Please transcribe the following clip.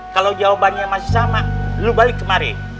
kalau jawabannya masih sama lu balik kemari